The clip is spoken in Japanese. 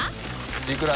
いくら？